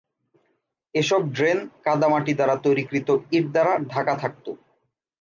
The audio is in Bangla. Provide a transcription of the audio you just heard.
এসব ড্রেন কাদা মাটি দ্বারা তৈরিকৃত ইট দ্বারা ঢাকা থাকতো।